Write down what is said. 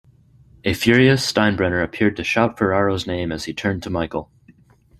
A furious Steinbrenner appeared to shout Ferraro's name as he turned to Michael.